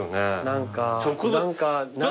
何か。